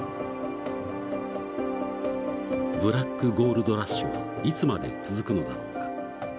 ブラック・ゴールドラッシュはいつまで続くのだろうか。